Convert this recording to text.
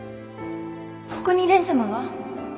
ここに蓮様が？